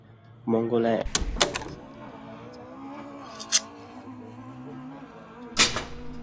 মঙ্গলা এমন ওষুধ দিতে পারে যাহাতে যুবরাজের মন তাঁহার উপর হইতে একেবারে চলিয়া যায়।